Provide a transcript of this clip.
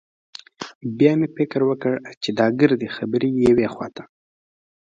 بيا مې فکر وکړ چې دا ګردې خبرې يوې خوا ته.